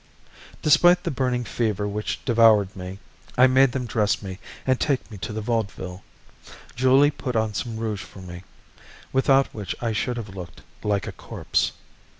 Despite the burning fever which devoured me, I made them dress me and take me to the Vaudeville. Julie put on some rouge for me, without which I should have looked like a corpse.